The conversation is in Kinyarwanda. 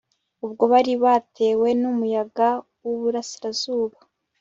ubwo bari batewe n'umuyaga w'iburasirazuba